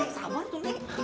eh sabar tuh nek